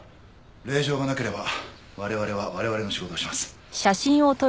令状がなければ我々は我々の仕事をします。